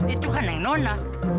itu kan nenek nona